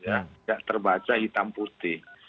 tidak terbaca hitam putih